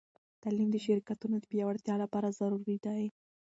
تعلیم د شراکتونو د پیاوړتیا لپاره ضروری دی.